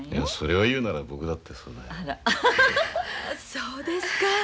それを言うなら僕だってそうだよ。